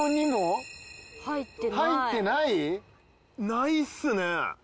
ないですね！